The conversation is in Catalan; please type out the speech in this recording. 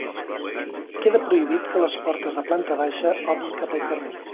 Queda prohibit que les portes de planta baixa obrin cap al carrer.